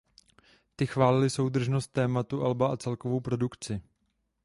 Ty chválili soudržnost tématu alba a celkovou produkci.